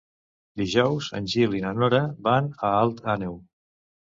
Dijous en Gil i na Nora van a Alt Àneu.